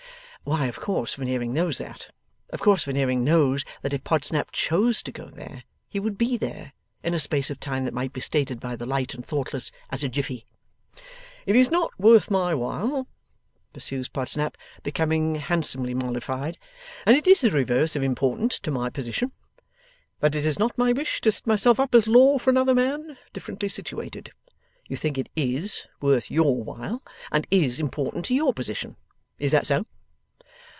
Why, of course Veneering knows that! Of course Veneering knows that if Podsnap chose to go there, he would be there, in a space of time that might be stated by the light and thoughtless as a jiffy. 'It is not worth my while,' pursues Podsnap, becoming handsomely mollified, 'and it is the reverse of important to my position. But it is not my wish to set myself up as law for another man, differently situated. You think it IS worth YOUR while, and IS important to YOUR position. Is that so?